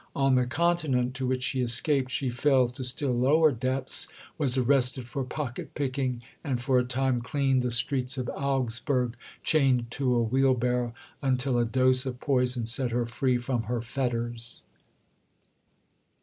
On the Continent, to which she escaped, she fell to still lower depths was arrested for pocket picking, and for a time cleaned the streets of Augsburg chained to a wheelbarrow, until a dose of poison set her free from her fetters.